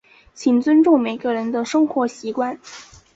请尊重每个人的生活习惯。